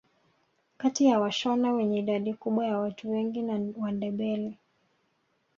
Kati ya washona wenye idadi kubwa ya watu wengi na Wandebele